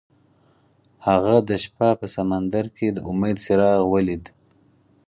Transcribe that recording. هغه د شپه په سمندر کې د امید څراغ ولید.